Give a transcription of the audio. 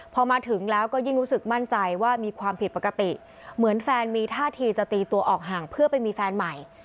พอมาถึงแล้วก็ยิ่งรู้สึกมั่นใจว่ามีความผิดปกติเหมือนแฟนมีท่าทีจะตีตัวออกห่างเพื่อไปมีแฟนใหม่